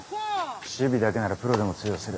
守備だけならプロでも通用する。